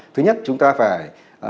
thứ nhất chúng ta phải